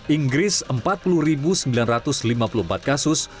inggris empat puluh sembilan ratus lima puluh empat kasus